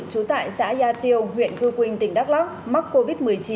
trú tại xã gia tiêu huyện khư quynh tỉnh đắk lắc mắc covid một mươi chín